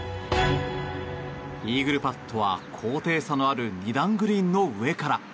イーグルパットは高低差のある２段グリーンの上から。